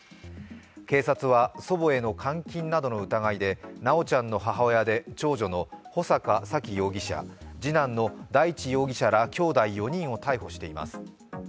警察は祖母への監禁などの疑いで修ちゃんの母親で長女の穂坂沙喜容疑者、次男の大地容疑者らきょうだい４人を逮捕しています。